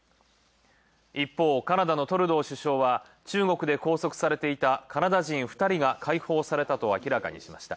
一方、カナダのトルドー首相は中国で拘束されていたカナダ人２人が解放されたと明らかにしました。